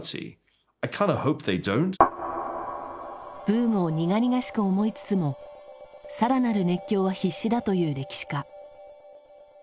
ブームを苦々しく思いつつも更なる熱狂は必至だという歴史家。